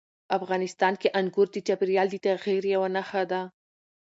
افغانستان کې انګور د چاپېریال د تغیر یوه نښه ده.